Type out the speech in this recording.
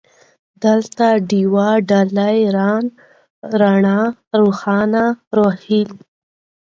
دولته ، ډېوه ، ډالۍ ، رڼا ، راڼۍ ، روښانه ، روهيله